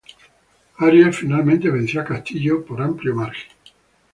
Arias finalmente venció a Castillo por amplio margen.